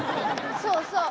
そうそう。